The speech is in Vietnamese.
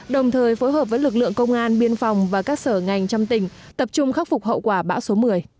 đồng thời phối hợp với lực lượng công an biên phòng và các sở ngành trong tỉnh tập trung khắc phục hậu quả bão số một mươi